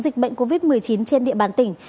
dịch bệnh covid một mươi chín trên địa bàn tỉnh